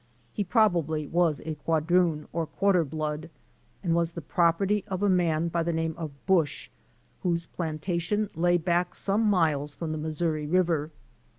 He probably was a quadroon, or quarter blood and was the property of a man by the name of Busch, whose plantation lay back some miles from the Missouri river.